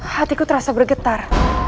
hatiku terasa bergetar